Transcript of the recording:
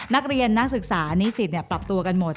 นักเรียนนักศึกษานิสิตปรับตัวกันหมด